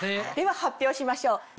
では発表しましょう。